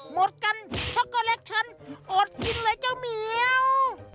หมดกันช็อกโกแลตฉันอดกินเลยเจ้าเหมียว